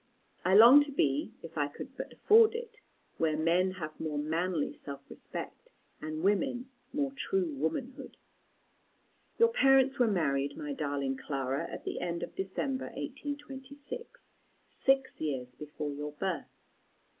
I longed to be, if I could but afford it, where men have more manly self respect, and women more true womanhood. "Your parents were married, my darling Clara, at the end of December, 1826, six years before your birth.